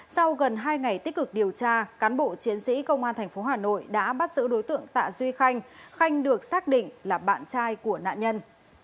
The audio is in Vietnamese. sau gần hai ngày tích cực điều tra cán bộ chiến sĩ công an tp hà nội đã bắt giữ đối tượng tạ duy khanh khanh được xác định là bạn trai của nạn nhân